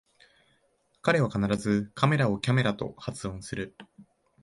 彼は必ずカメラをキャメラと発音する